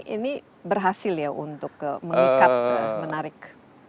ini berhasil ya untuk mengikat menarik